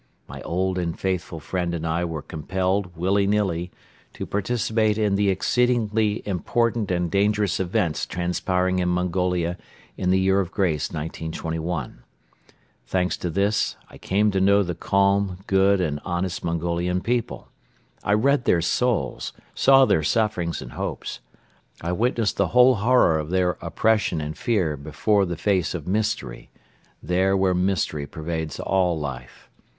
My old and faithful friend and I were compelled, willy nilly, to participate in the exceedingly important and dangerous events transpiring in Mongolia in the year of grace 1921. Thanks to this, I came to know the calm, good and honest Mongolian people; I read their souls, saw their sufferings and hopes; I witnessed the whole horror of their oppression and fear before the face of Mystery, there where Mystery pervades all life.